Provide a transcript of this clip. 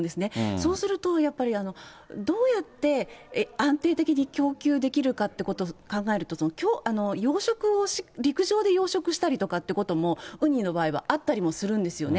そうすると、やっぱりどうやって安定的に供給できるかっていうこと考えると、養殖を、陸上で養殖したりとかということも、ウニの場合はあったりもするんですよね。